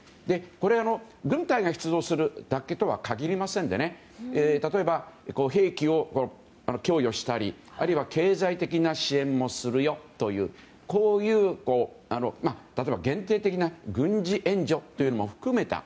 これ、軍隊が出動するだけとは限りませんで例えば、兵器を供与したりあるいは経済的な支援もするよと例えば限定的な軍事援助を含めた